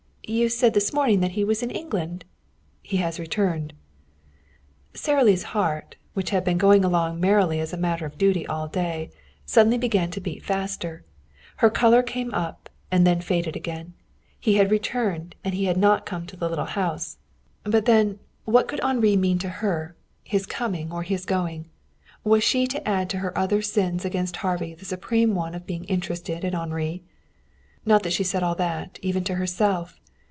"You said this morning that he was in England." "He has returned." Sara Lee's heart, which had been going along merely as a matter of duty all day, suddenly began to beat faster. Her color came up, and then faded again. He had returned, and he had not come to the little house. But then what could Henri mean to her, his coming or his going? Was she to add to her other sins against Harvey the supreme one of being interested in Henri? Not that she said all that, even to herself.